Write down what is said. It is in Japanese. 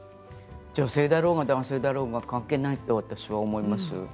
女性だろうが男性だろうが関係ないと私は思います。